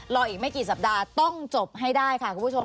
รออีกไม่กี่สัปดาห์ต้องจบให้ได้ค่ะคุณผู้ชม